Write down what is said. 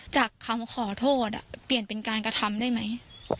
จากคำขอโทษเปลี่ยนเป็นการกระทำได้ไหม